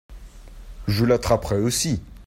Je l'attraperai aussi.